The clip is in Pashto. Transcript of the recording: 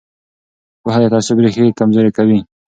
پوهه د تعصب ریښې کمزورې کوي